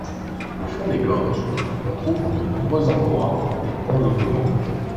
Au fond des gorges, on trouve en de nombreux endroits des ponts ottomans.